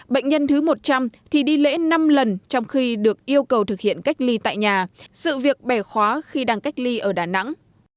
bệnh nhân thứ một trăm linh thì đi lễ năm lần trong khi được yêu cầu thực hiện cách ly tại nhà sự việc bẻ khóa khi đang cách ly ở đà nẵng